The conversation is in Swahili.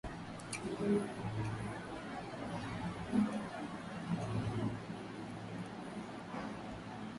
mgonjwa huambukizwa kwa kungatwa na mbu jike mwenye vimelea vya malaria